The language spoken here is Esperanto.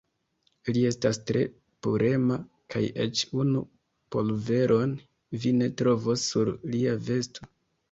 Li estas tre purema, kaj eĉ unu polveron vi ne trovos sur lia vesto.